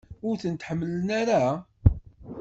Ur tent-ḥemmlen ara?